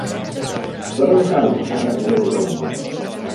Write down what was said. Per on cau Aras de los Olmos?